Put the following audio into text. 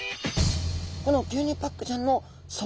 この牛乳パックちゃんの底